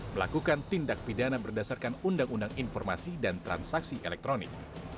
melakukan tindak pidana berdasarkan undang undang informasi dan transaksi elektronik